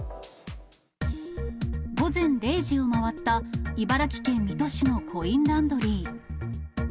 午前０時を回った、茨城県水戸市のコインランドリー。